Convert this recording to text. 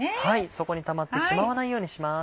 底にたまってしまわないようにします。